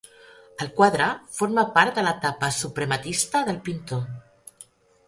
El quadre forma part de l'etapa suprematista del pintor.